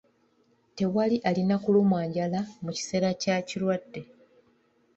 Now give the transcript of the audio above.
Tewali alina kulumwa njala mu kiseera kya kirwadde.